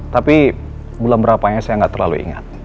tapi bulan berapanya saya nggak terlalu ingat